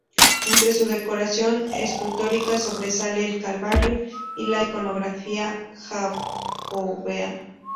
Entre su decoración escultórica, sobresale el calvario y la iconografía jacobea.